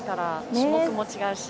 種目も違うし。